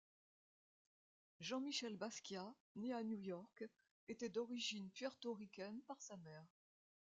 Jean-Michel Basquiat, né à New York, était d'origine Puerto Ricaine par sa mère.